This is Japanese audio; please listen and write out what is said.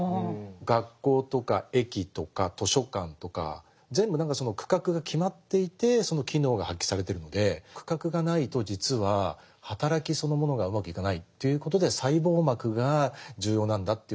学校とか駅とか図書館とか全部何かその区画が決まっていてその機能が発揮されてるので区画がないと実は働きそのものがうまくいかないということで細胞膜が重要なんだというふうに言ってますね。